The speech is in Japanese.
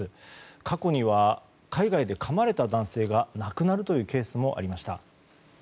過去には海外でかまれた男性が亡くなるというケースもありました。